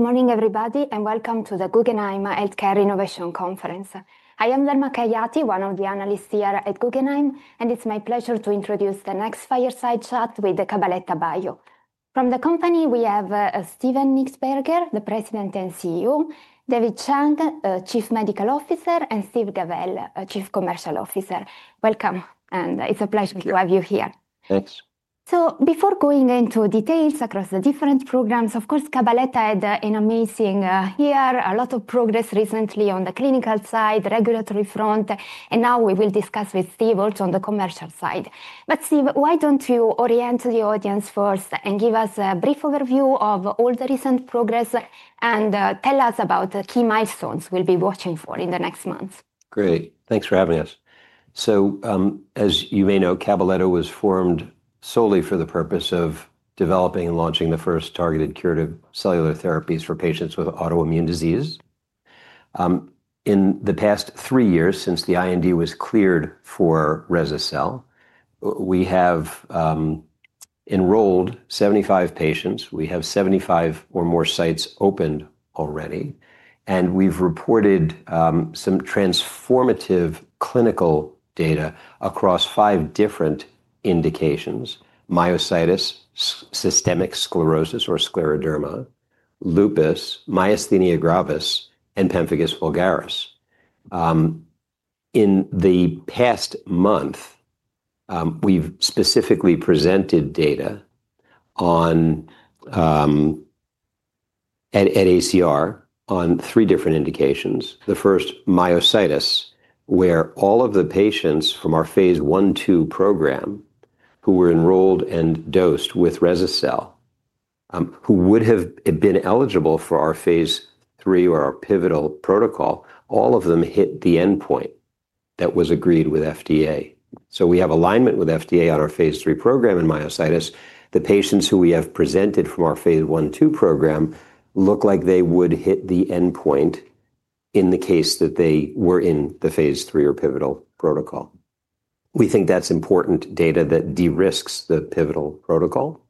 G```ood morning, everybody, and welcome to the Guggenheim Healthcare Innovation Conference. I am Lerma Khayati, one of the analysts here at Guggenheim, and it's my pleasure to introduce the next fireside chat with the Cabaletta Bio. From the company, we have Steven Nichtberger, the President and CEO; David Chang, Chief Medical Officer; and Steve Gabel, Chief Commercial Officer. Welcome, and it's a pleasure to have you here. Thanks. So before going into details across the different programs, of course, Cabaletta had an amazing year, a lot of progress recently on the clinical side, regulatory front, and now we will discuss with Steve also on the commercial side. But Steve, why don't you orient the audience first and give us a brief overview of all the recent progress and tell us about the key milestones we'll be watching for in the next months? Great. Thanks for having us. So as you may know, Cabaletta was formed solely for the purpose of developing and launching the first targeted curative cellular therapies for patients with autoimmune disease. In the past three years, since the IND was cleared for ResaCell, we have enrolled 75 patients. We have 75 or more sites opened already, and we've reported some transformative clinical data across five different indications: myositis, systemic sclerosis or scleroderma, lupus, myasthenia gravis, and pemphigus vulgaris. In the past month, we've specifically presented data at ACR on three different indications. The first, myositis, where all of the patients from our Phase I-II program who were enrolled and dosed with ResaCell, who would have been eligible for our Phase III or our pivotal protocol, all of them hit the endpoint that was agreed with FDA. So we have alignment with FDA on our Phase III program in myositis. The patients who we have presented from our Phase I-II program look like they would hit the endpoint in the case that they were in the Phase III or pivotal protocol. We think that's important data that de-risks the pivotal protocol.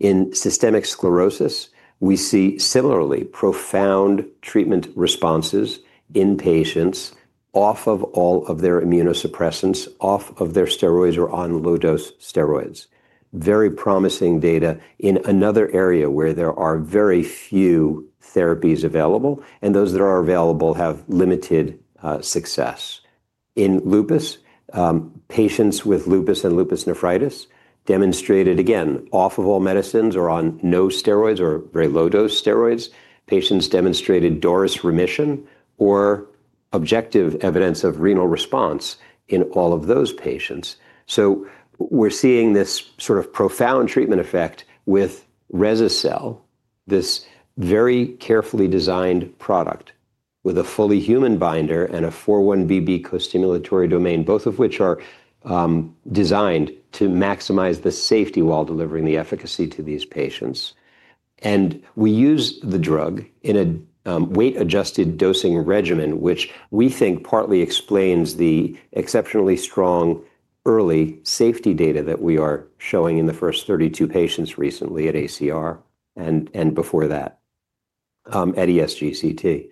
In systemic sclerosis, we see similarly profound treatment responses in patients off of all of their immunosuppressants, off of their steroids or on low-dose steroids. Very promising data in another area where there are very few therapies available, and those that are available have limited success. In lupus, patients with lupus and lupus nephritis demonstrated, again, off of all medicines or on no steroids or very low-dose steroids, patients demonstrated Doris remission or objective evidence of renal response in all of those patients. So we're seeing this sort of profound treatment effect with ResaCell, this very carefully designed product with a fully human binder and a 41BB co-stimulatory domain, both of which are designed to maximize the safety while delivering the efficacy to these patients. And we use the drug in a weight-adjusted dosing regimen, which we think partly explains the exceptionally strong early safety data that we are showing in the first 32 patients recently at ACR and before that at ESGCT.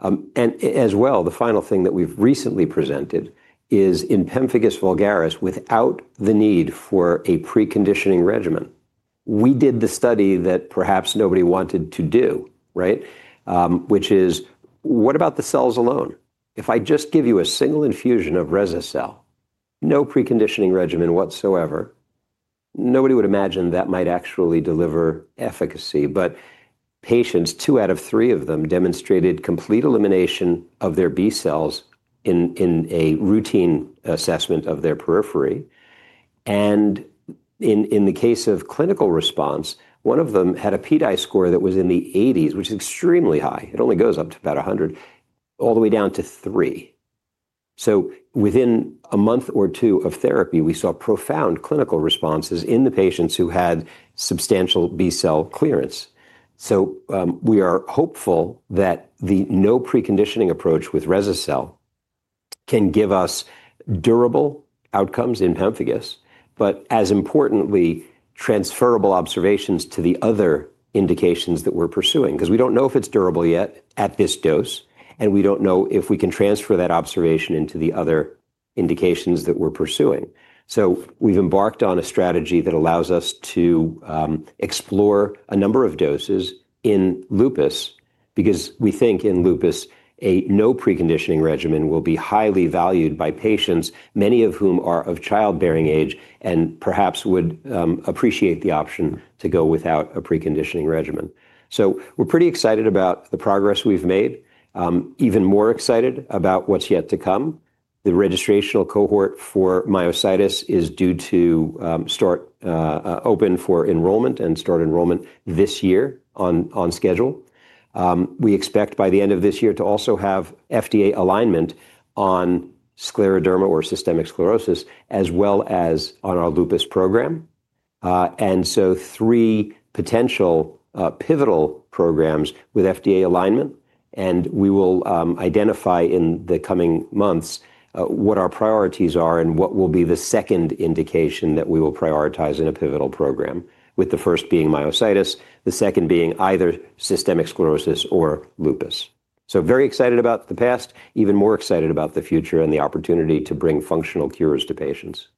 And as well, the final thing that we've recently presented is in pemphigus vulgaris without the need for a preconditioning regimen. We did the study that perhaps nobody wanted to do, right? Which is, what about the cells alone? If I just give you a single infusion of ResaCell, no preconditioning regimen whatsoever, nobody would imagine that might actually deliver efficacy. Patients, two out of three of them, demonstrated complete elimination of their B cells in a routine assessment of their periphery. And in the case of clinical response, one of them had a PDAI score that was in the 80s, which is extremely high. It only goes up to about 100, all the way down to three. So within a month or two of therapy, we saw profound clinical responses in the patients who had substantial B cell clearance. So we are hopeful that the no preconditioning approach with rese-cel can give us durable outcomes in pemphigus, but as importantly, transferable observations to the other indications that we're pursuing, because we don't know if it's durable yet at this dose, and we don't know if we can transfer that observation into the other indications that we're pursuing. We've embarked on a strategy that allows us to explore a number of doses in lupus, because we think in lupus, a no preconditioning regimen will be highly valued by patients, many of whom are of childbearing age and perhaps would appreciate the option to go without a preconditioning regimen. We're pretty excited about the progress we've made, even more excited about what's yet to come. The registration cohort for myositis is due to open for enrollment and start enrollment this year on schedule. We expect by the end of this year to also have FDA alignment on scleroderma or systemic sclerosis, as well as on our lupus program. Three potential pivotal programs with FDA alignment, and we will identify in the coming months what our priorities are and what will be the second indication that we will prioritize in a pivotal program, with the first being myositis, the second being either systemic sclerosis or lupus. Very excited about the past, even more excited about the future and the opportunity to bring functional cures to patients.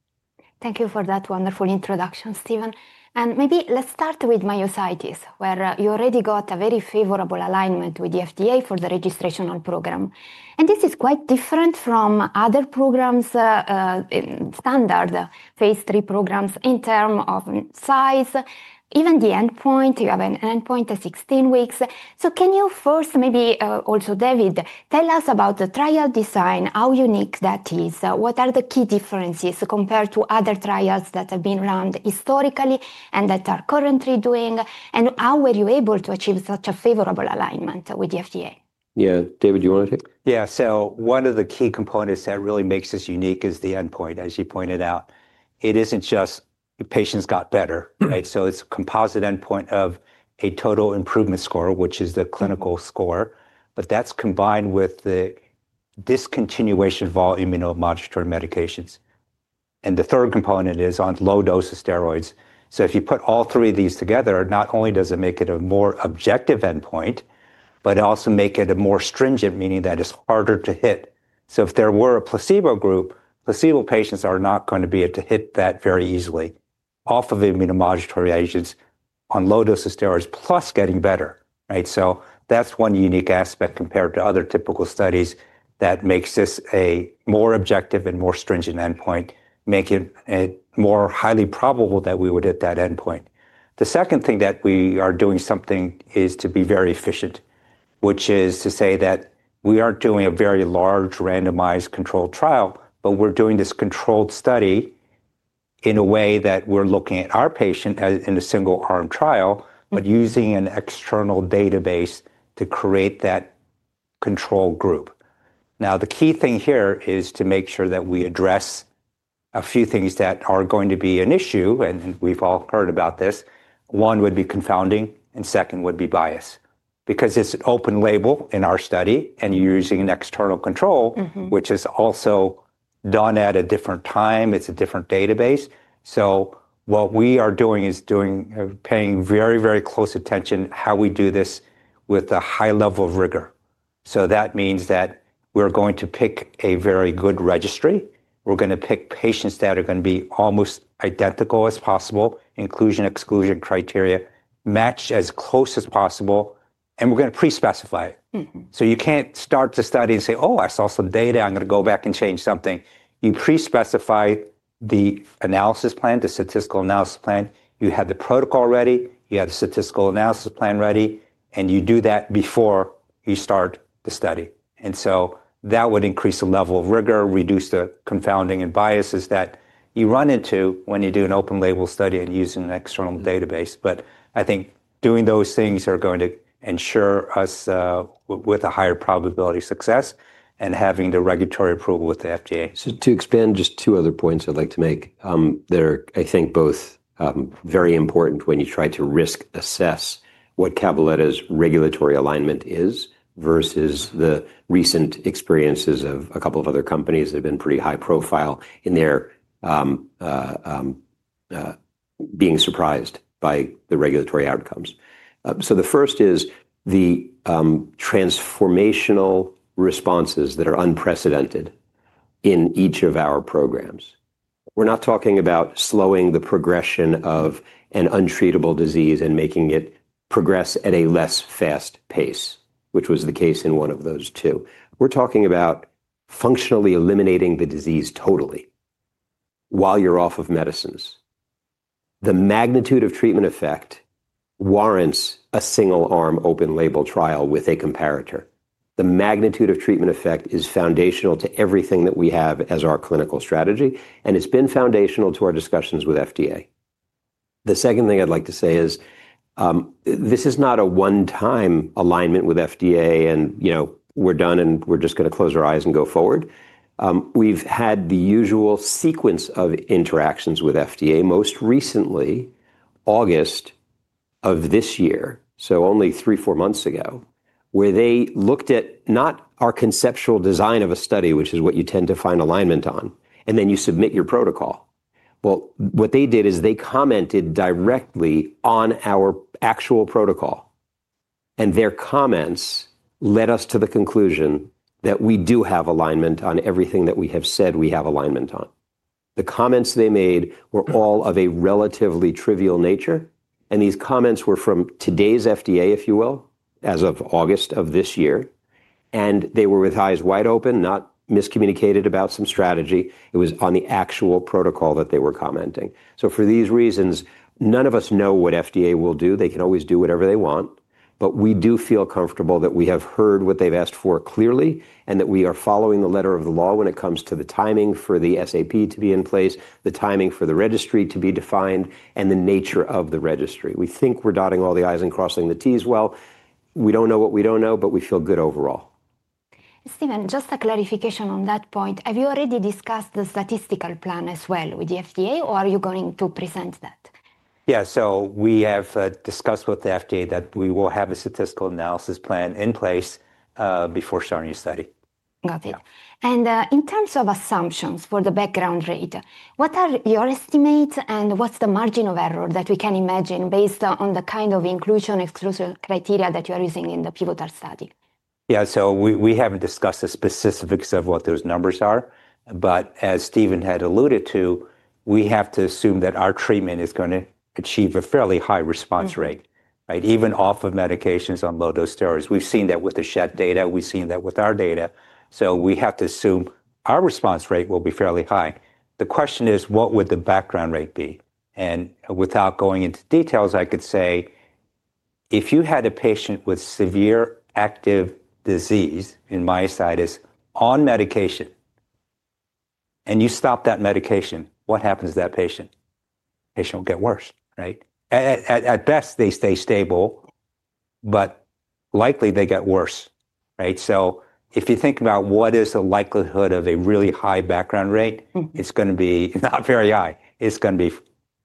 Thank you for that wonderful introduction, Steven. Maybe let's start with myositis, where you already got a very favorable alignment with the FDA for the registration program. This is quite different from other programs, standard phase III programs in terms of size, even the endpoint. You have an endpoint of 16 weeks. Can you first maybe also, David, tell us about the trial design, how unique that is? What are the key differences compared to other trials that have been run historically and that are currently doing? How were you able to achieve such a favorable alignment with the FDA? Yeah, David, do you want to take? Yeah. So one of the key components that really makes this unique is the endpoint, as you pointed out. It isn't just patients got better, right? So it's a composite endpoint of a total improvement score, which is the clinical score, but that's combined with the discontinuation of all immunomodulatory medications. And the third component is on low dose of steroids. So if you put all three of these together, not only does it make it a more objective endpoint, but it also makes it a more stringent, meaning that it's harder to hit. So if there were a placebo group, placebo patients are not going to be able to hit that very easily off of immunomodulatory agents on low dose of steroids plus getting better, right? So that's one unique aspect compared to other typical studies that makes this a more objective and more stringent endpoint, making it more highly probable that we would hit that endpoint. The second thing that we are doing something is to be very efficient, which is to say that we aren't doing a very large randomized controlled trial, but we're doing this controlled study in a way that we're looking at our patient in a single arm trial, but using an external database to create that control group. Now, the key thing here is to make sure that we address a few things that are going to be an issue, and we've all heard about this. One would be confounding, and second would be bias, because it's an open label in our study, and you're using an external control, which is also done at a different time. It's a different database. So what we are doing is paying very, very close attention to how we do this with a high level of rigor. So that means that we're going to pick a very good registry. We're going to pick patients that are going to be almost identical as possible, inclusion-exclusion criteria matched as close as possible, and we're going to pre-specify it. So you can't start the study and say, "Oh, I saw some data. I'm going to go back and change something." You pre-specify the analysis plan, the statistical analysis plan. You have the protocol ready. You have the statistical analysis plan ready, and you do that before you start the study. And so that would increase the level of rigor, reduce the confounding and biases that you run into when you do an open label study and use an external database. But I think doing those things are going to ensure us with a higher probability of success and having the regulatory approval with the FDA. So to expand just two other points I'd like to make, they're, I think, both very important when you try to risk assess what Cabaletta's regulatory alignment is versus the recent experiences of a couple of other companies that have been pretty high profile in their being surprised by the regulatory outcomes. So the first is the transformational responses that are unprecedented in each of our programs. We're not talking about slowing the progression of an untreatable disease and making it progress at a less fast pace, which was the case in one of those two. We're talking about functionally eliminating the disease totally while you're off of medicines. The magnitude of treatment effect warrants a single arm open label trial with a comparator. The magnitude of treatment effect is foundational to everything that we have as our clinical strategy, and it's been foundational to our discussions with FDA. The second thing I'd like to say is this is not a one-time alignment with FDA and we're done and we're just going to close our eyes and go forward. We've had the usual sequence of interactions with FDA, most recently August of this year, so only three, four months ago, where they looked at not our conceptual design of a study, which is what you tend to find alignment on, and then you submit your protocol. Well, what they did is they commented directly on our actual protocol, and their comments led us to the conclusion that we do have alignment on everything that we have said we have alignment on. The comments they made were all of a relatively trivial nature, and these comments were from today's FDA, if you will, as of August of this year, and they were with eyes wide open, not miscommunicated about some strategy. It was on the actual protocol that they were commenting. So for these reasons, none of us know what FDA will do. They can always do whatever they want, but we do feel comfortable that we have heard what they've asked for clearly and that we are following the letter of the law when it comes to the timing for the SAP to be in place, the timing for the registry to be defined, and the nature of the registry. We think we're dotting all the i's and crossing the t's. Well, we don't know what we don't know, but we feel good overall. Steven, just a clarification on that point. Have you already discussed the statistical plan as well with the FDA, or are you going to present that? Yeah, so we have discussed with the FDA that we will have a statistical analysis plan in place before starting the study. Got it. And in terms of assumptions for the background rate, what are your estimates and what's the margin of error that we can imagine based on the kind of inclusion-exclusion criteria that you are using in the pivotal study? Yeah, so we haven't discussed the specifics of what those numbers are, but as Steven had alluded to, we have to assume that our treatment is going to achieve a fairly high response rate, right? Even off of medications on low-dose steroids. We've seen that with the SHAT data. We've seen that with our data. So we have to assume our response rate will be fairly high. The question is, what would the background rate be? And without going into details, I could say if you had a patient with severe active disease in myositis on medication and you stop that medication, what happens to that patient? The patient will get worse, right? At best, they stay stable, but likely they get worse, right? So if you think about what is the likelihood of a really high background rate, it's going to be not very high. It's going to be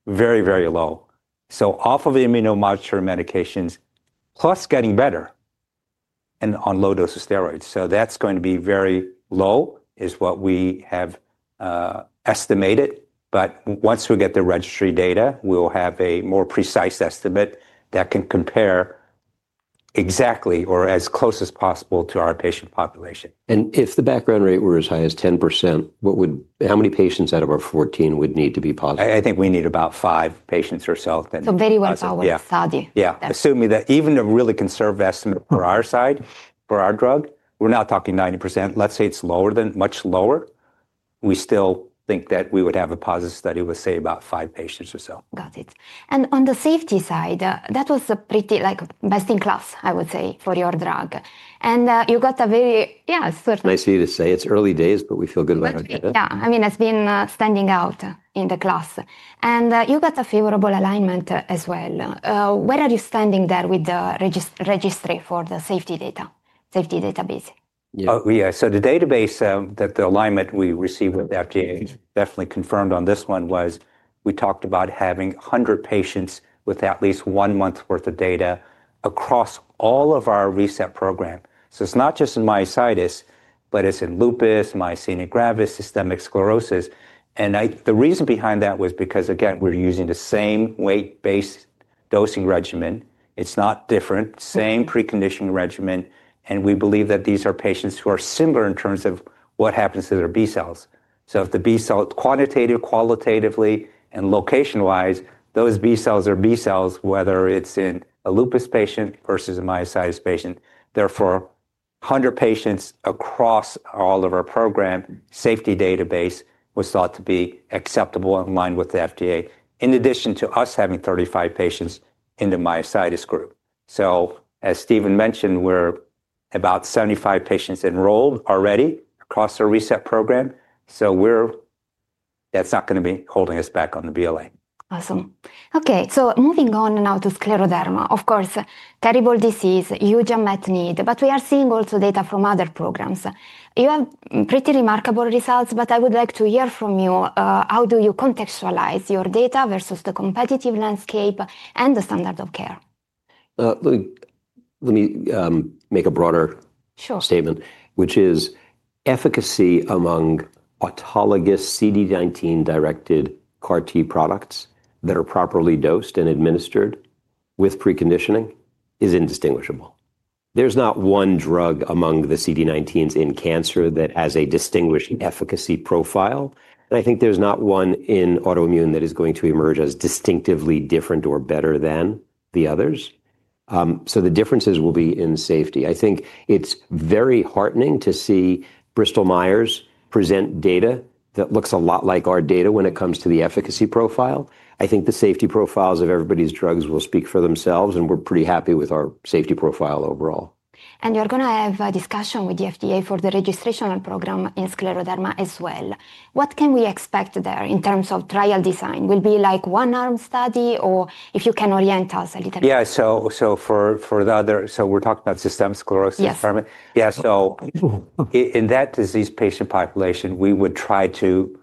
very, very low. So off of immunomodulatory medications plus getting better and on low-dose of steroids. So that's going to be very low is what we have estimated. But once we get the registry data, we'll have a more precise estimate that can compare exactly or as close as possible to our patient population. And if the background rate were as high as 10%, how many patients out of our 14 would need to be positive? I think we need about five patients or so that. So very well powered. Yeah. Assuming that even a really conservative estimate for our side, for our drug, we're not talking 90%. Let's say it's lower than much lower. We still think that we would have a positive study with, say, about five patients or so. Got it. And on the safety side, that was a pretty best in class, I would say, for your drug. And you got a very, yeah, certain. Nice of you to say. It's early days, but we feel good about it. Yeah. I mean, it's been standing out in the class. And you got a favorable alignment as well. Where are you standing there with the registry for the safety data, safety database? Yeah. So the database, that the alignment we received with the FDA definitely confirmed on this one was we talked about having 100 patients with at least one month's worth of data across all of our reset program. So it's not just in myositis, but it's in lupus, myasthenia gravis, systemic sclerosis. And the reason behind that was because, again, we're using the same weight-based dosing regimen. It's not different. Same preconditioning regimen. And we believe that these are patients who are similar in terms of what happens to their B cells. So if the B cell quantitatively, qualitatively, and location-wise, those B cells are B cells, whether it's in a lupus patient versus a myositis patient. Therefore, 100 patients across all of our program safety database was thought to be acceptable and aligned with the FDA, in addition to us having 35 patients in the myositis group. So as Steven mentioned, we're about 75 patients enrolled already across our reset program. So that's not going to be holding us back on the BLA. Awesome. Okay. So moving on now to scleroderma. Of course, terrible disease, huge unmet need, but we are seeing also data from other programs. You have pretty remarkable results, but I would like to hear from you how do you contextualize your data versus the competitive landscape and the standard of care? Let me make a broader statement, which is efficacy among autologous CD19-directed CAR-T products that are properly dosed and administered with preconditioning is indistinguishable. There's not one drug among the CD19s in cancer that has a distinguished efficacy profile. And I think there's not one in autoimmune that is going to emerge as distinctively different or better than the others. So the differences will be in safety. I think it's very heartening to see Bristol-Myers present data that looks a lot like our data when it comes to the efficacy profile. I think the safety profiles of everybody's drugs will speak for themselves, and we're pretty happy with our safety profile overall. And you're going to have a discussion with the FDA for the registration program in scleroderma as well. What can we expect there in terms of trial design? Will it be like one-arm study or if you can orient us a little bit? Yeah. So for the other, so we're talking about systemic sclerosis? Yes. Yeah. So in that disease patient population, we would try to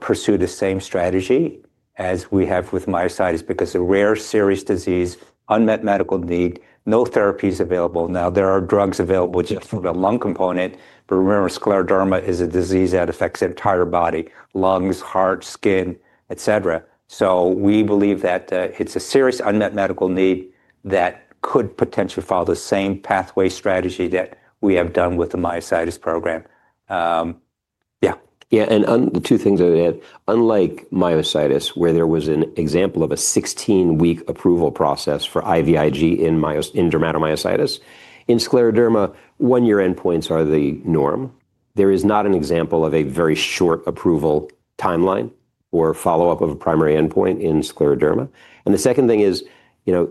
pursue the same strategy as we have with myositis because it's a rare, serious disease, unmet medical need, no therapies available. Now, there are drugs available just for the lung component, but remember, scleroderma is a disease that affects the entire body: lungs, heart, skin, et cetera. So we believe that it's a serious unmet medical need that could potentially follow the same pathway strategy that we have done with the myositis program. Yeah. Yeah. And two things I would add. Unlike myositis, where there was an example of a 16-week approval process for IVIG in dermatomyositis, in scleroderma, one-year endpoints are the norm. There is not an example of a very short approval timeline or follow-up of a primary endpoint in scleroderma. And the second thing is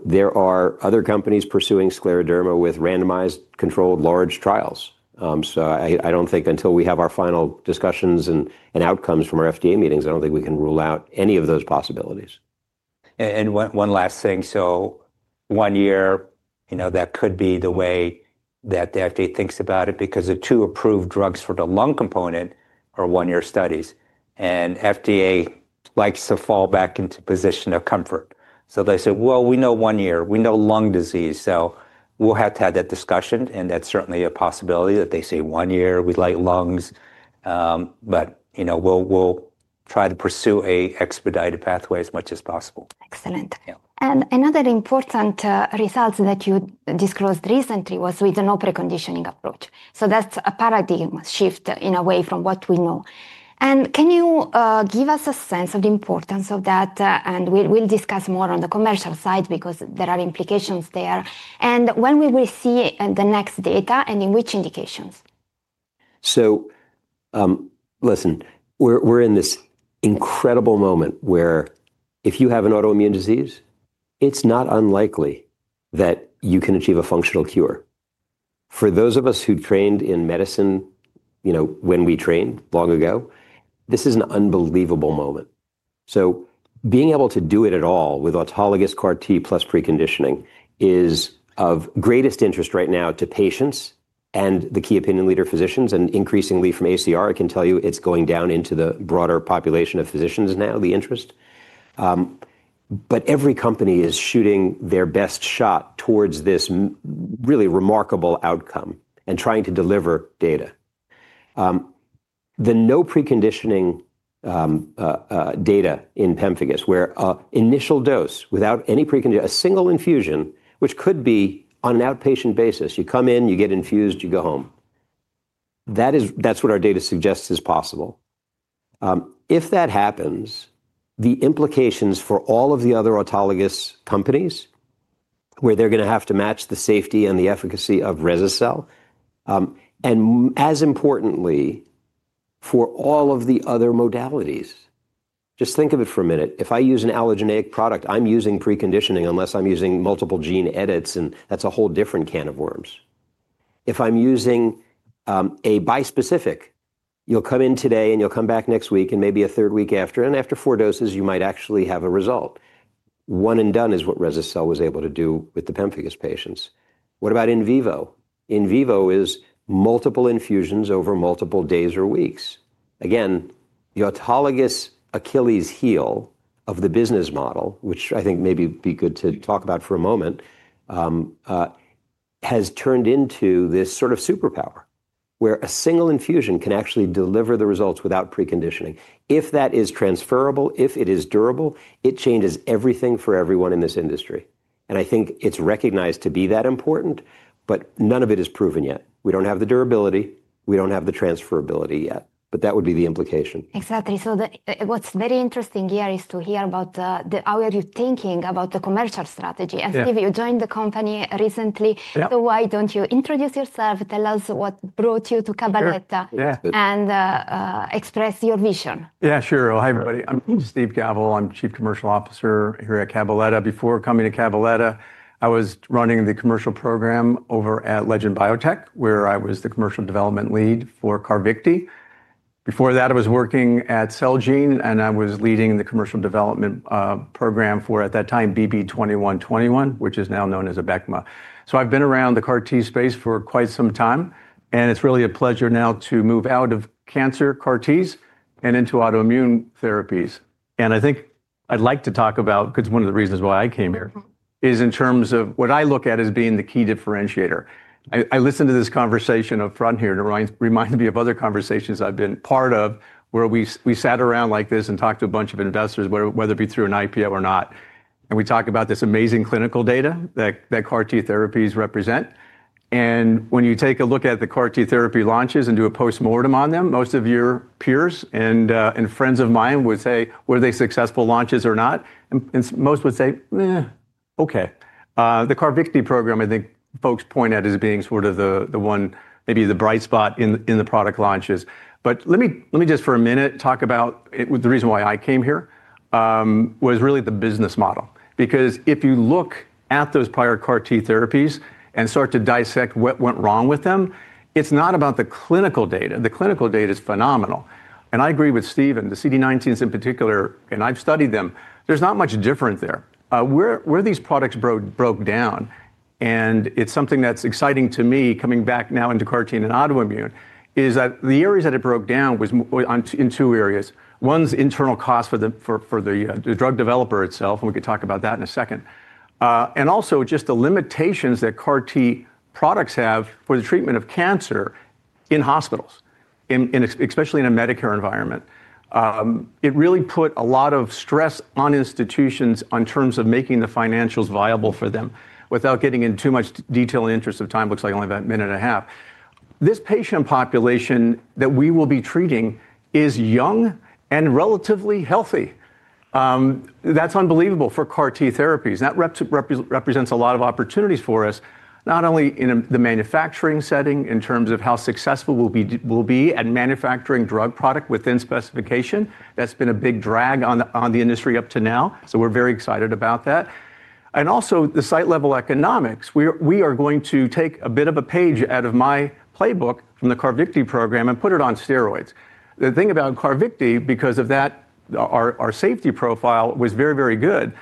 there are other companies pursuing scleroderma with randomized controlled large trials. So I don't think until we have our final discussions and outcomes from our FDA meetings, I don't think we can rule out any of those possibilities. And one last thing. So one year, that could be the way that the FDA thinks about it because the two approved drugs for the lung component are one-year studies. And FDA likes to fall back into position of comfort. So they say, "Well, we know one year. We know lung disease. So we'll have to have that discussion." And that's certainly a possibility that they say one year, we like lungs, but we'll try to pursue an expedited pathway as much as possible. Excellent. And another important result that you disclosed recently was with an open conditioning approach. So that's a paradigm shift in a way from what we know. And can you give us a sense of the importance of that? And we'll discuss more on the commercial side because there are implications there. And when will we see the next data and in which indications? So listen, we're in this incredible moment where if you have an autoimmune disease, it's not unlikely that you can achieve a functional cure. For those of us who trained in medicine when we trained long ago, this is an unbelievable moment. So being able to do it at all with autologous CAR-T plus preconditioning is of greatest interest right now to patients and the key opinion leader physicians. And increasingly from ACR, I can tell you it's going down into the broader population of physicians now, the interest. But every company is shooting their best shot towards this really remarkable outcome and trying to deliver data. The no preconditioning data in Pemphigus where initial dose without any preconditioning, a single infusion, which could be on an outpatient basis, you come in, you get infused, you go home. That's what our data suggests is possible. If that happens, the implications for all of the other autologous companies where they're going to have to match the safety and the efficacy of Rezacel and as importantly for all of the other modalities. Just think of it for a minute. If I use an allogeneic product, I'm using preconditioning unless I'm using multiple gene edits, and that's a whole different can of worms. If I'm using a bispecific, you'll come in today and you'll come back next week and maybe a third week after, and after four doses, you might actually have a result. One and done is what Rezacel was able to do with the Pemphigus patients. What about in vivo? In vivo is multiple infusions over multiple days or weeks. Again, the autologous Achilles heel of the business model, which I think maybe would be good to talk about for a moment, has turned into this sort of superpower where a single infusion can actually deliver the results without preconditioning. If that is transferable, if it is durable, it changes everything for everyone in this industry. And I think it's recognized to be that important, but none of it is proven yet. We don't have the durability. We don't have the transferability yet, but that would be the implication. Exactly. So what's very interesting here is to hear about how are you thinking about the commercial strategy. And Steve, you joined the company recently. So why don't you introduce yourself, tell us what brought you to Cabaletta, and express your vision? Yeah, sure. Hi, everybody. I'm Steve Gavel. I'm Chief Commercial Officer here at Cabaletta. Before coming to Cabaletta, I was running the commercial program over at Legend Biotech, where I was the commercial development lead for Carvicti. Before that, I was working at Celgene, and I was leading the commercial development program for, at that time, BB2121, which is now known as Abecma. So I've been around the CAR-T space for quite some time, and it's really a pleasure now to move out of cancer CAR-Ts and into autoimmune therapies. And I think I'd like to talk about, because one of the reasons why I came here is in terms of what I look at as being the key differentiator. I listened to this conversation up front here to remind me of other conversations I've been part of where we sat around like this and talked to a bunch of investors, whether it be through an IPO or not. And we talked about this amazing clinical data that CAR-T therapies represent. And when you take a look at the CAR-T therapy launches and do a postmortem on them, most of your peers and friends of mine would say, "Were they successful launches or not?" And most would say, okay." The Carvicti program, I think folks point at as being sort of the one, maybe the bright spot in the product launches. But let me just for a minute talk about the reason why I came here was really the business model. Because if you look at those prior CAR-T therapies and start to dissect what went wrong with them, it's not about the clinical data. The clinical data is phenomenal. And I agree with Steven, the CD19s in particular, and I've studied them. There's not much different there. Where these products broke down, and it's something that's exciting to me coming back now into CAR-T and autoimmune, is that the areas that it broke down were in two areas. One's internal cost for the drug developer itself, and we could talk about that in a second. And also just the limitations that CAR-T products have for the treatment of cancer in hospitals, especially in a Medicare environment. It really put a lot of stress on institutions in terms of making the financials viable for them without getting into too much detail in the interest of time. Looks like only about a minute and a half. This patient population that we will be treating is young and relatively healthy. That's unbelievable for CAR-T therapies. That represents a lot of opportunities for us, not only in the manufacturing setting in terms of how successful we'll be at manufacturing drug product within specification. That's been a big drag on the industry up to now. So we're very excited about that. And also the site-level economics. We are going to take a bit of a page out of my playbook from the Carvicti program and put it on steroids. The thing about Carvicti, because of that, our safety profile was very, very good.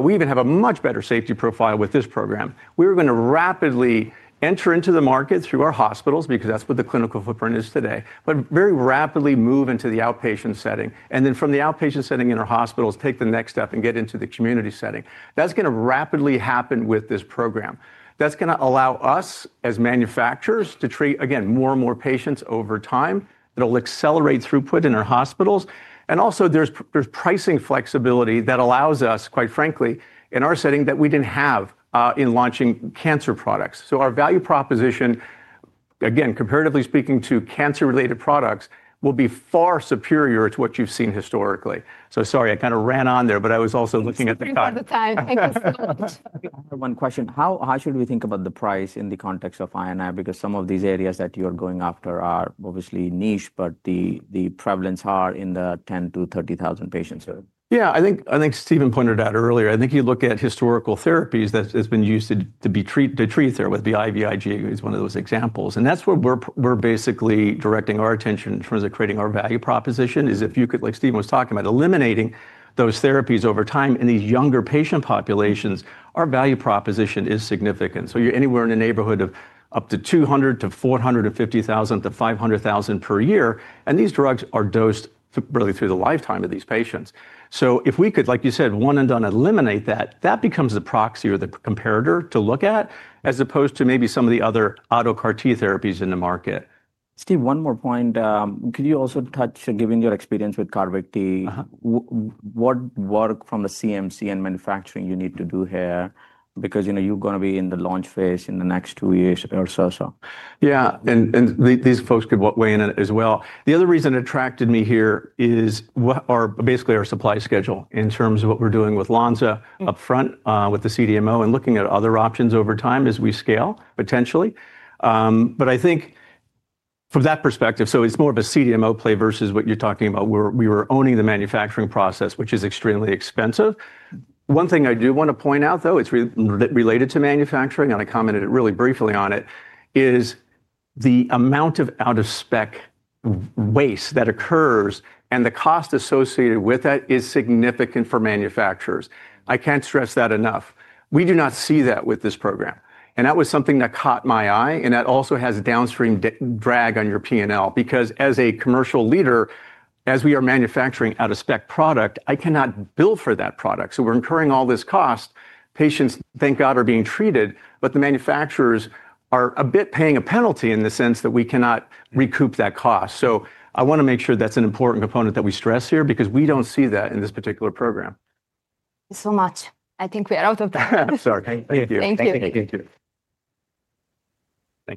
We even have a much better safety profile with this program. We were going to rapidly enter into the market through our hospitals because that's what the clinical footprint is today, but very rapidly move into the outpatient setting. And then from the outpatient setting in our hospitals, take the next step and get into the community setting. That's going to rapidly happen with this program. That's going to allow us as manufacturers to treat, again, more and more patients over time. It'll accelerate throughput in our hospitals. And also there's pricing flexibility that allows us, quite frankly, in our setting that we didn't have in launching cancer products. So our value proposition, again, comparatively speaking to cancer-related products, will be far superior to what you've seen historically. So sorry, I kind of ran on there, but I was also looking at the CAR-T. Thank you for the time. Thank you so much. One question. How should we think about the price in the context of INI? Because some of these areas that you're going after are obviously niche, but the prevalence is in the 10,000-30,000 patients. Yeah. I think Steven pointed out earlier, I think you look at historical therapies that have been used to treat there with the IVIG is one of those examples. And that's where we're basically directing our attention in terms of creating our value proposition is if you could, like Steven was talking about, eliminating those therapies over time in these younger patient populations, our value proposition is significant. So you're anywhere in the neighborhood of up to 200,000 to 450,000 to 500,000 per year. And these drugs are dosed really through the lifetime of these patients. So if we could, like you said, one and done, eliminate that, that becomes the proxy or the comparator to look at as opposed to maybe some of the other auto CAR-T therapies in the market. Steve, one more point. Could you also touch, given your experience with Carvicti, what work from the CMC and manufacturing you need to do here? Because you're going to be in the launch phase in the next two years or so. Yeah. And these folks could weigh in on it as well. The other reason it attracted me here is basically our supply schedule in terms of what we're doing with Lonza upfront with the CDMO and looking at other options over time as we scale potentially. But I think from that perspective, so it's more of a CDMO play versus what you're talking about where we were owning the manufacturing process, which is extremely expensive. One thing I do want to point out though, it's related to manufacturing, and I commented really briefly on it, is the amount of out-of-spec waste that occurs and the cost associated with that is significant for manufacturers. I can't stress that enough. We do not see that with this program. And that was something that caught my eye, and that also has downstream drag on your P&L because as a commercial leader, as we are manufacturing out-of-spec product, I cannot bill for that product. So we're incurring all this cost. Patients, thank God, are being treated, but the manufacturers are a bit paying a penalty in the sense that we cannot recoup that cost. So I want to make sure that's an important component that we stress here because we don't see that in this particular program. Thank you so much. I think we are out of time. Yeah. Sorry. Thank you. Thank you. Thank you.